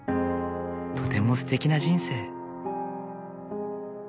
とてもすてきな人生。